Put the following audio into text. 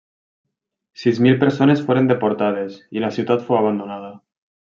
Sis mil persones foren deportades, i la ciutat fou abandonada.